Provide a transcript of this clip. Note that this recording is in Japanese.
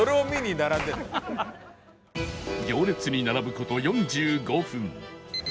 行列に並ぶ事４５分